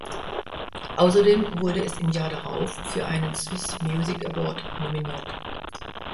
Ausserdem wurde es im Jahr darauf für einen Swiss Music Award nominiert.